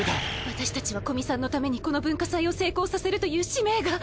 私たちは古見さんのためにこの文化祭を成功させるという使命が